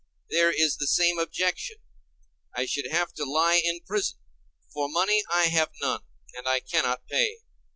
There is the same objection. I should have to lie in prison, for money I have none, and I cannot pay.